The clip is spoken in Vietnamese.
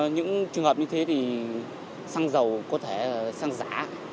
những trường hợp như thế thì xăng dầu có thể xăng giả